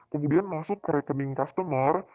kemudian masuk ke rekening customer